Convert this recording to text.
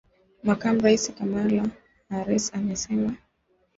Makamu Rais Kamala Harris amesema